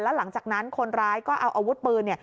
หลังจากนั้นคนร้ายก็เอาอาวุธปืน